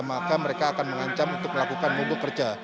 maka mereka akan mengancam untuk melakukan mogok kerja